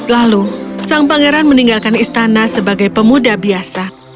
lalu sang pangeran meninggalkan istana sebagai pemuda biasa